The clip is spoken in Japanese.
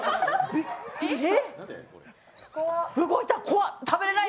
びっくりした！